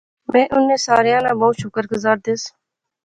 میں انیں ساریاں نا بہوں شکر گزار دیس